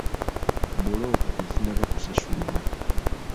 Bbulooka tezinnaba kusasulibwa.